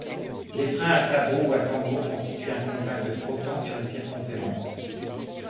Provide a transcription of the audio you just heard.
Les freins à sabot ou à tambour constituent un contact frottant sur une circonférence.